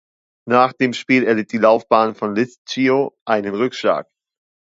Nach dem Spiel erlitt die Laufbahn von Liscio einen Rückschlag.